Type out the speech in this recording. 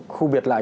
khu biệt lại